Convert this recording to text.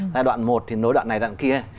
giai đoạn một thì nối đoạn này đoạn kia